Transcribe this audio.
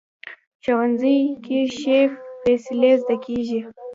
ښوونځی کې ښې فیصلې زده کېږي